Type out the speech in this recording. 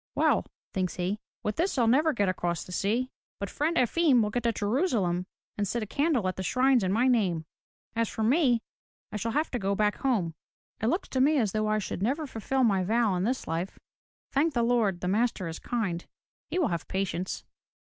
"Well," thinks he, *Vith this Fll never get across the sea. But Friend Efim will get to Jerusalem and set a candle at the shrines in my name. As for me, I shall have to go back home. It looks as though I should never fulfill my vow in this life. Thank the Lord, the Master is kind. He will have patience."